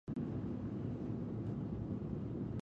باید دا برخه نوره هم ښکلې کړو.